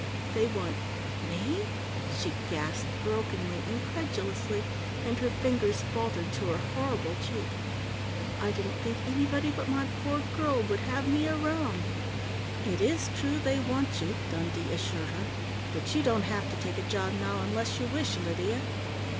"They want me?" she gasped brokenly, incredulously, and her fingers faltered to her horrible cheek. "I didn't think anybody but my poor girl would have me around " "It is true they want you," Dundee assured her. "But you don't have to take a job now unless you wish, Lydia."